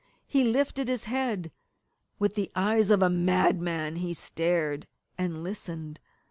He lifted his head. With the eyes of a madman he stared and listened.